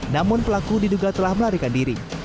namun pelaku diduga telah melarikan diri